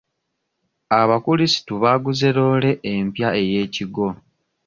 Abakulisitu baaguze loole empya eyekigo.